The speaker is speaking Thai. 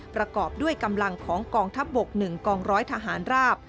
ประกอบด้วยกำลังของกองทัพบก๑กองร้อยทหารราบ